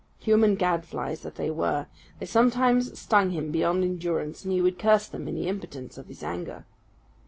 Human gadflies that they were! they sometimes stung him beyond endurance, and he would curse them in the impotence of his anger.